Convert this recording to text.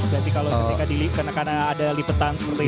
berarti kalau ketika di karena ada lipetan seperti ini